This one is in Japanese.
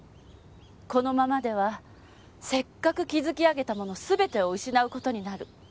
このままではせっかく築き上げたものすべてを失う事になる。